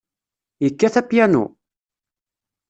Yekkat apyanu?